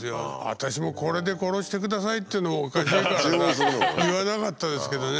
私も「これで殺してください」って言うのもおかしいからね言わなかったですけどね